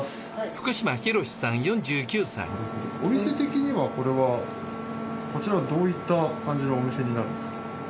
お店的にはこれはこちらはどういった感じのお店になるんですか？